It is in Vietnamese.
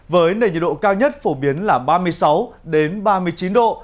với nền nhiệt độ cao nhất phổ biến là ba mươi sáu ba mươi chín độ